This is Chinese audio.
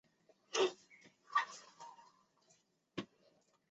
以下的列表列出越南历史上所有被追尊君主。